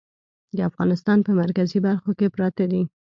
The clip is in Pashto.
د افغانستان په مرکزي برخو کې پراته دي.